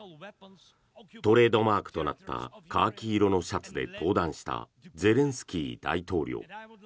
トレードマークとなったカーキ色のシャツで登壇したゼレンスキー大統領。